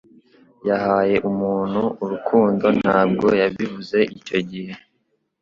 yahaye umuntu urukundo gusa ntabwo yabivuze icyo gihe